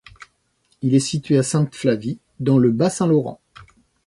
Il est situé à Sainte-Flavie dans le Bas-Saint-Laurent.